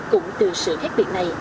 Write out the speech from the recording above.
cũng từ sự khác biệt này